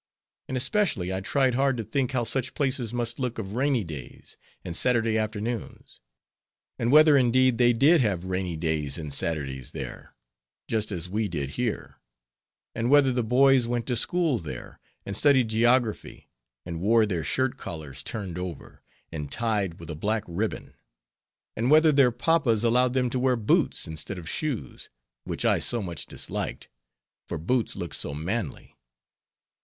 And especially I tried hard to think how such places must look of rainy days and Saturday afternoons; and whether indeed they did have rainy days and Saturdays there, just as we did here; and whether the boys went to school there, and studied geography, and wore their shirt collars turned over, and tied with a black ribbon; and whether their papas allowed them to wear boots, instead of shoes, which I so much disliked, for boots looked so manly.